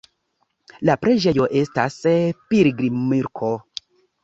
La preĝejo estas pilgrimloko.